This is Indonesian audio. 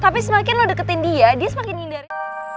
tapi semakin lo deketin dia dia semakin hindari